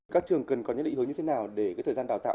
các trường cần có những lý hứa như thế nào để thời gian đào tạo